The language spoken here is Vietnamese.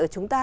ở chúng ta